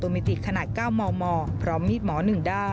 มีความรู้สึกว่า